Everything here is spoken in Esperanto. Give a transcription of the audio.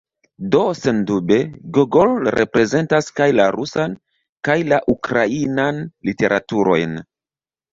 Do, sendube, Gogol reprezentas kaj la rusan, kaj la ukrainan literaturojn.